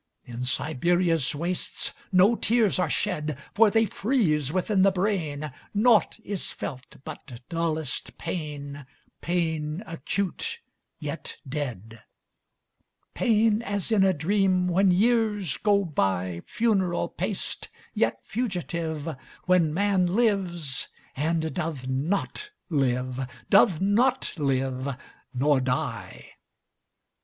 In Siberia's wastesNo tears are shed, For they freeze within the brain. Naught is felt but dullest pain, Pain acute, yet dead; Pain as in a dream, When years go byFuneral paced, yet fugitive, When man lives, and doth not live, Doth not live—nor die.